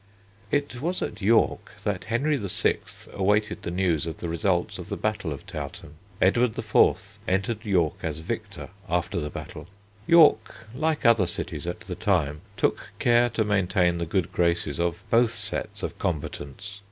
It was at York that Henry VI. awaited the news of the result of the battle of Towton. Edward IV. entered York as victor after the battle. York, like other cities at the time, took care to maintain the good graces of both sets of combatants.